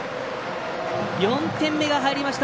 ４点目が入りました。